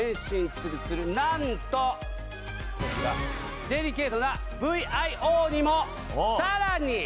ツルツル何とこちらデリケートなＶＩＯにもさらにはいさらに？